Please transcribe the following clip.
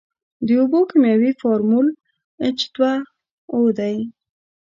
د اوبو کیمیاوي فارمول ایچ دوه او دی.